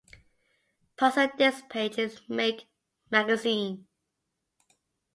Puzzle This" page in "Make" magazine.